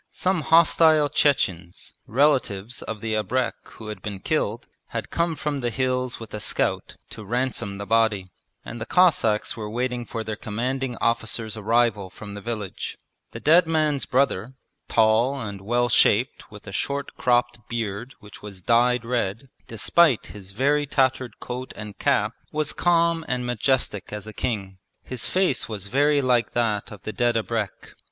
Some hostile Chechens, relatives of the abrek who had been killed, had come from the hills with a scout to ransom the body; and the Cossacks were waiting for their Commanding Officer's arrival from the village. The dead man's brother, tall and well shaped with a short cropped beard which was dyed red, despite his very tattered coat and cap was calm and majestic as a king. His face was very like that of the dead abrek.